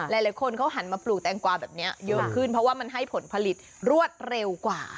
หลายคนเขาหันมาปลูกแตงกวาแบบนี้เยอะขึ้นเพราะว่ามันให้ผลผลิตรวดเร็วกว่า